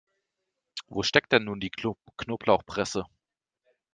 Wo steckt denn nun die Knoblauchpresse?